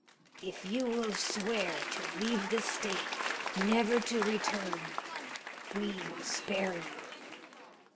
If you will swear to leave the State, never to return, we will spare you.